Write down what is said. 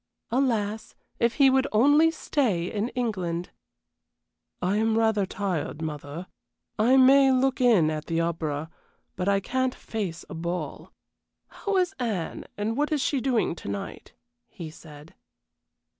Alas! if he would only stay in England! "I am rather tired, mother; I may look in at the opera, but I can't face a ball. How is Anne, and what is she doing to night?" he said.